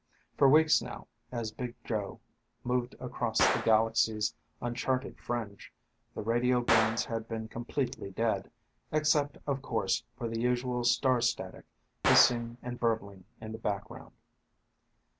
For weeks now, as Big Joe moved across the galaxy's uncharted fringe, the radio bands had been completely dead, except, of course, for the usual star static hissing and burbling in the background.